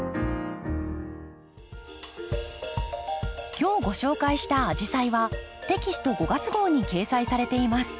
今日ご紹介した「アジサイ」はテキスト５月号に掲載されています。